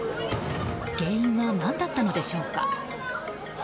原因は何だったのでしょうか。